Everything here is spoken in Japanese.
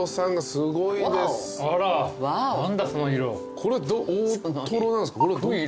これ大トロなんですか？